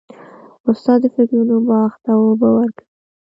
استاد د فکرونو باغ ته اوبه ورکوي.